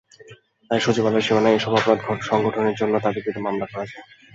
তাই সচিবালয়ের সীমানায় এসব অপরাধ সংঘটনের জন্য তাঁদের বিরুদ্ধে মামলা করা যায়।